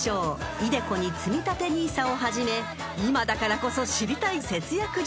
ｉＤｅＣｏにつみたてＮＩＳＡをはじめ今だからこそ知りたい節約術